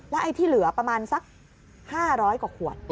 ไอ้ที่เหลือประมาณสัก๕๐๐กว่าขวด